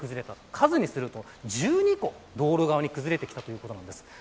数にすると１２個、道路側に崩れてきたということなんです。